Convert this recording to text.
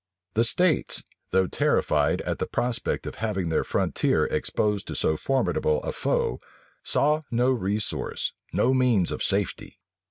The states, though terrified at the prospect of having their frontier exposed to so formidable a foe, saw no resource, no means of safety.